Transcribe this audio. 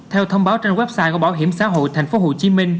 theo thông báo trên website của bảo hiểm xã hội tp hcm